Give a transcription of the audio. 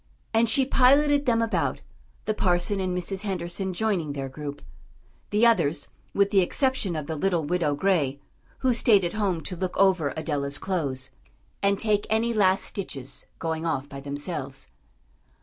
And she piloted them about, the parson and Mrs. Henderson joining their group; the others, with the exception of the little Widow Gray, who stayed at home to look over Adela's clothes, and take any last stitches, going off by themselves.